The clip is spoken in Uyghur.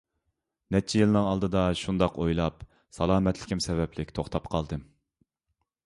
نەچچە يىلنىڭ ئالدىدا شۇنداق ئويلاپ، سالامەتلىكىم سەۋەبلىك توختاپ قالدىم.